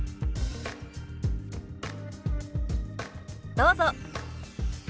どうぞ。